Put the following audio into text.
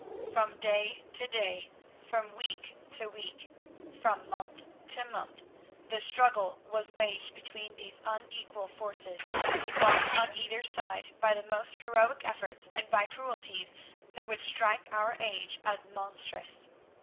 From day to day, from week to week, from month to month, the struggle was waged between these unequal forces, marked on either side by the most heroic efforts and by cruelties that would strike our age as monstrous.